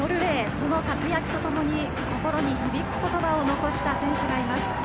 その活躍とともに心に響くことばを残した選手がいます。